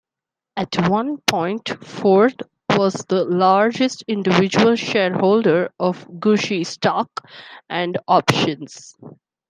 At one point, Ford was the largest individual shareholder of Gucci stock and options.